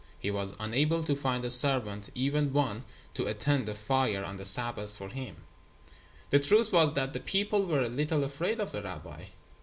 He was unable to find a servant, even one to attend the fire on the Sabbath for him. The truth was that the people were a little afraid of the rabbi.